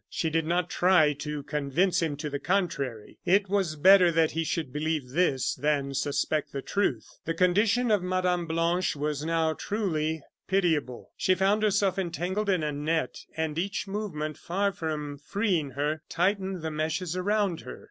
She did not try to convince him to the contrary. It was better that he should believe this than suspect the truth. The condition of Mme. Blanche was now truly pitiable. She found herself entangled in a net, and each movement far from freeing her, tightened the meshes around her.